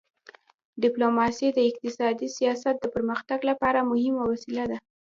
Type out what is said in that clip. ډیپلوماسي د اقتصادي سیاست د پرمختګ لپاره مهمه وسیله ده.